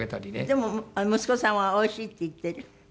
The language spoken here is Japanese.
でも息子さんは「おいしい」って言ってる？